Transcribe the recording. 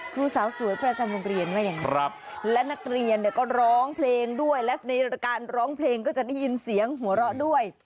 ครูสาวสวยประจำโรงเรียนว่าอย่างนั้นและนักเรียนเนี่ยก็ร้องเพลงด้วยและในการร้องเพลงก็จะได้ยินเสียงหัวเราะด้วย